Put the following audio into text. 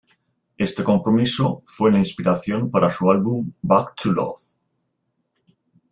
Este compromiso fue la inspiración para su álbum "Back to Love".